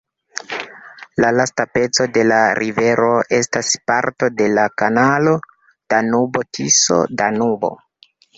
La lasta peco de la rivero estas parto de la kanalo Danubo-Tiso-Danubo.